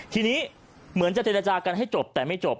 ทีนี้เหมือนจะเจรจากันให้จบแต่ไม่จบ